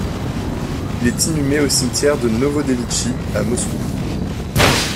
Il est inhumé au cimetière de Novodevitchi, à Moscou.